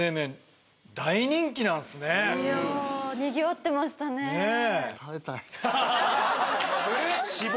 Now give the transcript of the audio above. いや賑わってましたねねえ